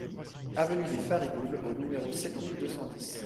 Avenue des Farigoules au numéro sept mille deux cent dix